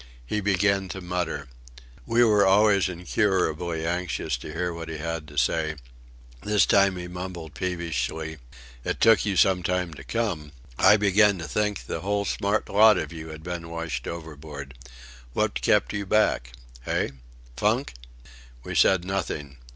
He began to mutter. We were always incurably anxious to hear what he had to say. This time he mumbled peevishly, "It took you some time to come! I began to think the whole smart lot of you had been washed overboard. What kept you back? Hey? Funk?" We said nothing.